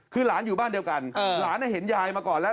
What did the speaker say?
คือหลานอยู่บ้านเดียวกันหลานเห็นยายมาก่อนแล้ว